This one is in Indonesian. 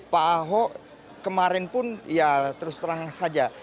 pak ahok kemarin pun ya terus terang saja